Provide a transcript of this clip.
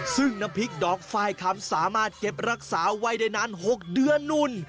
ซึ่งน้ำพริกดอกไฟล์คำสามารถเก็บรักษาไว้ได้นาน๖เดือนนู่น